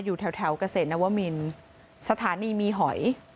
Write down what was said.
อยู่แถวกระเศษนวมินสถานีมีหอย